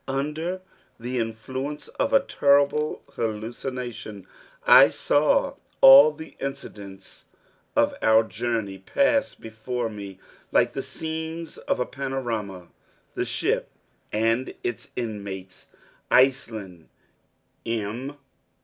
Under the influence of a terrible hallucination I saw all the incidents of our journey pass before me like the scenes of a panorama. The ship and its inmates, Iceland, M.